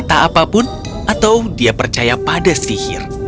dia tidak mencari apapun atau dia percaya pada sihir